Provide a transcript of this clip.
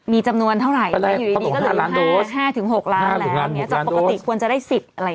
มีจำนวนเท่าไหร่ันหรือ๕ถึง๖ล้านล้านแล้วอะไรอย่างเนี้ย